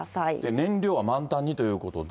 燃料は満タンにということで。